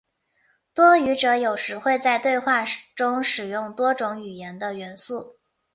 多语者有时会在对话中使用多种语言的元素。